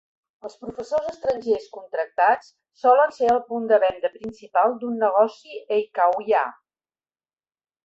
Els professors estrangers contractats solen ser el punt de venda principal d"un negoci eikaiwa.